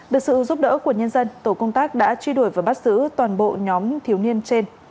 được sự giúp đỡ của nhân dân tổ công tác đã truy đuổi và bắt giữ toàn bộ nhóm thiếu niên trên